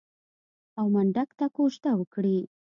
او منډک ته کوژده وکړي.